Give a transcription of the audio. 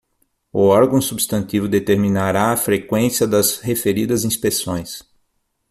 O órgão substantivo determinará a freqüência das referidas inspeções.